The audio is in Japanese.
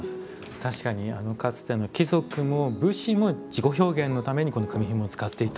確かにかつての貴族も武士も自己表現のためにこの組みひもを使っていた。